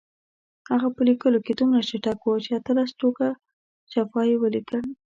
هغه په لیکلو کې دومره چټک و چې اتلس ټوکه شفا یې ولیکل.